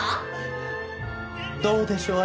どうでしょう